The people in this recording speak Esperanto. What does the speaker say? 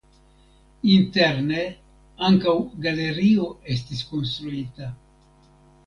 Interne ankaŭ galerio estis konstruita.